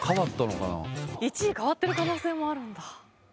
１位変わってる可能性もあるんだ。